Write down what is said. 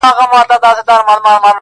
د دؤړو نجونه واړه لکه باغ دي